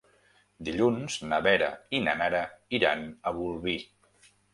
Dilluns na Vera i na Nara iran a Bolvir.